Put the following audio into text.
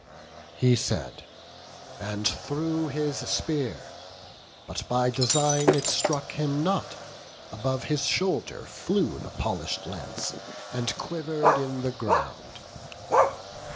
He said, and threw his spear; but by design It struck him not; above his shoulder flew The polish'd lance, and quiver'd in the ground.